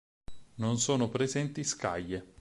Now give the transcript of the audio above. Non sono presenti scaglie.